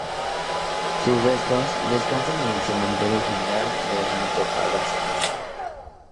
Sus restos descansan en el Cementerio General de Antofagasta.